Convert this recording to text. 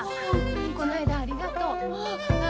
こないだはありがとう。